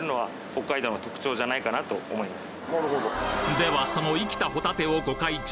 ではその生きたホタテをご開帳！